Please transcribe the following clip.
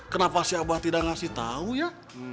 kenapa si abah tidak ngasih tahu ya